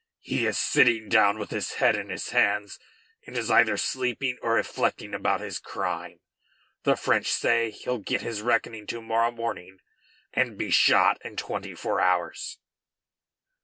"He is sitting down with his head in his hands and is either sleeping or reflecting about his crime. The French say he'll get his reckoning to morrow morning and be shot in twenty four hours."